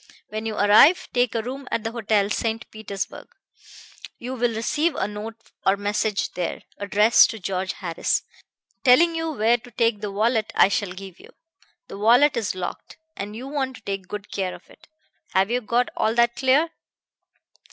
When you arrive, take a room at the Hotel St. Petersburg. You will receive a note or message there, addressed to George Harris, telling you where to take the wallet I shall give you. The wallet is locked, and you want to take good care of it. Have you got all that clear?'